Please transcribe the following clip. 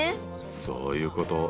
そういうこと。